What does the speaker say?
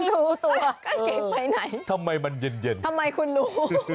รู้ตัวกางเกงไปไหนทำไมมันเย็นเย็นทำไมคุณรู้